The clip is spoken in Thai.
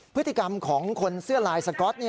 พฤติกรรมของคนเสื้อลายสก๊อต